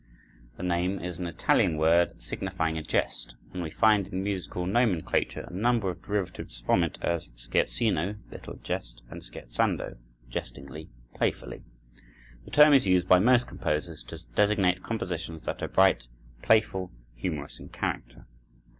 The name is an Italian word signifying a jest, and we find in musical nomenclature a number of derivatives from it, as scherzino (little jest) and scherzando (jestingly, playfully). The term is used by most composers to designate compositions that are bright, playful, humorous in character.